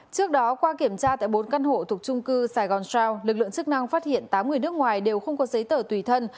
trước đó qua kiểm tra tại bốn căn hộ thuộc trung cư sài gòn sào lực lượng chức năng phát hiện tám người nước ngoài đều không có giấy tờ tùy thân